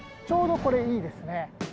ちょうどこれいいですね。